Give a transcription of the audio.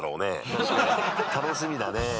楽しみだね。